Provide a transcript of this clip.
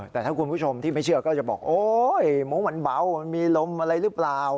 แต่ถ้าคุณผู้ชมที่ไม่เชื่อก็จะบอกโอ๊ยมุ้งมันเบามันมีลมอะไรหรือเปล่า